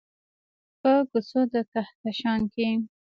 په کوڅو د کهکشان کې